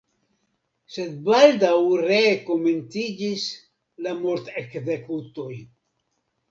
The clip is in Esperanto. Sed baldaŭ ree komenciĝis la mortekzekutoj.